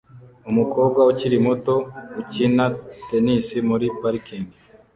Umukobwa ukiri muto ukina tennis muri parikingi